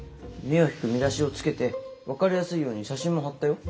目を引く見出しを付けて分かりやすいように写真も貼ったよ。